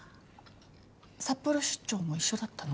札幌出張も一緒だったの？